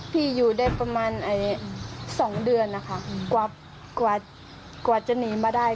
อยู่ได้ประมาณ๒เดือนนะคะกว่าจะหนีมาได้